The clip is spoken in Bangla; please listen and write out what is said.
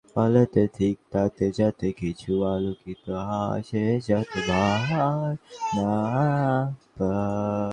পুলিশ বলছে, নাজমুল হাসান নিউ জেএমবির শীর্ষ একজন বোমা তৈরির কারিগর।